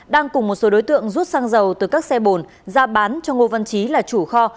đang cùng một số đối tượng rút xăng dầu từ các xe bồn ra bán cho ngô văn trí là chủ kho